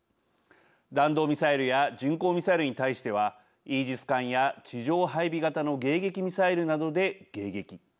弾道ミサイルや巡航ミサイルに対してはイージス艦や地上配備型の迎撃ミサイルなどで迎撃。